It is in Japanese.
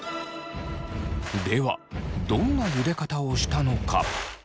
ではどんなゆで方をしたのか。